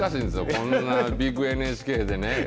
こんなビッグＮＨＫでね。